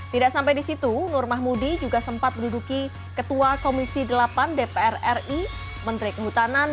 tidak sampai di situ nur mahmudi juga sempat menduduki ketua komisi delapan dpr ri menteri kehutanan